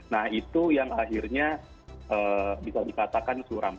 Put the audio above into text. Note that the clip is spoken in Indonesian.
nah itu yang akhirnya bisa dikatakan curam